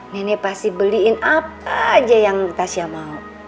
nenek pasti beliin apa aja yang natasha mau